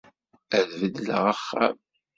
Ad beddleɣ axxam.